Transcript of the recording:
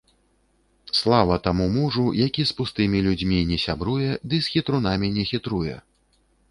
Слава таму мужу, які з пустымі людзьмі не сябруе ды з хітрунамі не хітруе.